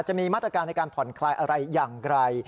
จะมีมาตรการในการผ่อนคลายอะไรอย่างไร